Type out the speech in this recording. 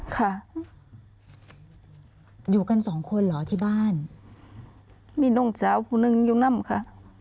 ค่ะอยู่กันสองคนเหรอที่บ้านมีน้องสาวผู้หนึ่งอยู่นั่นค่ะ